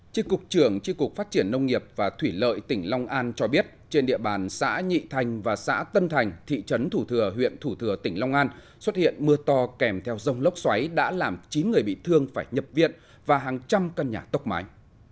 trên cục trưởng tri cục phát triển nông nghiệp và thủy lợi tỉnh long an cho biết trên địa bàn xã nhị thành và xã tân thành thị trấn thủ thừa huyện thủ thừa tỉnh long an xuất hiện mưa to kèm theo rông lốc xoáy đã làm chín người bị thương phải nhập viện và hàng trăm căn nhà tốc mái